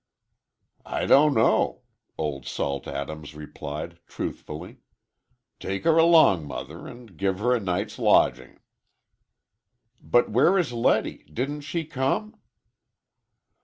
"I don't know," Old Salt Adams replied, truthfully. "Take her along, mother, and give her a night's lodging." "But where is Letty? Didn't she come?"